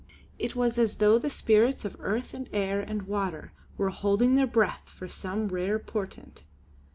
It was as though the spirits of earth and air and water were holding their breath for some rare portent.